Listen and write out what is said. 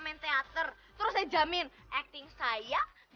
mereka berdua gak mungkin pacaran